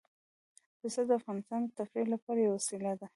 پسه د افغانانو د تفریح لپاره یوه وسیله ده.